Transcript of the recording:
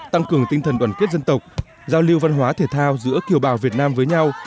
tăng cường tinh thần đoàn kết dân tộc giao lưu văn hóa thể thao giữa kiều bào việt nam với nhau